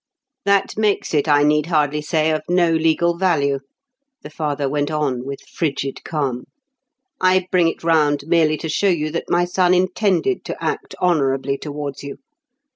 "That makes it, I need hardly say, of no legal value," the father went on, with frigid calm. "I bring it round merely to show you that my son intended to act honourably towards you.